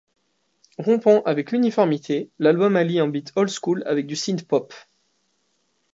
Rompant avec l'uniformité, l'album allie un beat old school à du synthpop.